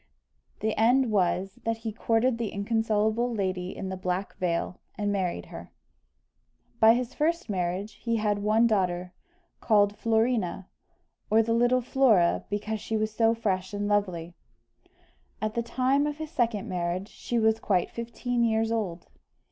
The end was, that he courted the inconsolable lady in the black veil, and married her. By his first marriage he had one daughter, called Florina, or the little Flora, because she was so fresh and lovely; at the time of his second marriage she was quite fifteen years old.